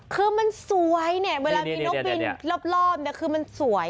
คือมันสวยเนี่ยเวลามีนกบินรอบเนี่ยคือมันสวย